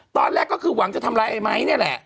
ตอนแรกก็คือหวังจะทำร้ายไอ้ไม้นี่แหละ